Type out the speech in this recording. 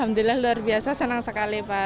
alhamdulillah luar biasa senang sekali pak